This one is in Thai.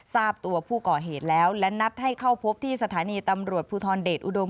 ทราบตัวผู้ก่อเหตุแล้วและนัดให้เข้าพบที่สถานีตำรวจภูทรเดชอุดม